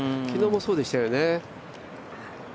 昨日もそうでしたよね。